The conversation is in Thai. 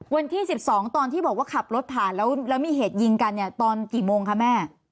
วันที่๑๒ตอนที่บอกว่าขับรถผ่านแล้วมีเหตุยิงกันเนี่ยตอนกี่โมงคะแม่